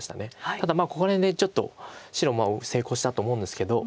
ただここら辺でちょっと白も成功したと思うんですけど。